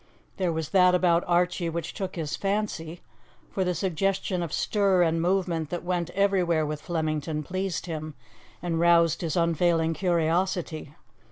There was that about Archie which took his fancy, for the suggestion of stir and movement that went everywhere with Flemington pleased him, and roused his unfailing curiosity.